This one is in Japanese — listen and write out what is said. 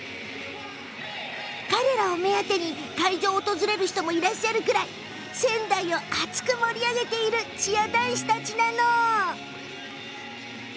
彼ら目当てで会場を訪れる人もいるくらい仙台を熱く盛り上げているチア男子たちなのよ。